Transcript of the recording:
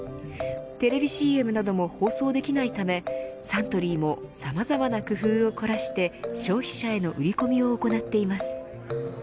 テレビＣＭなども放送できないためサントリーもさまざまな工夫を凝らして消費者への売り込みを行っています。